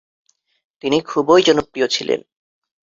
তিনি খুবই জনপ্রিয় ছিলেন।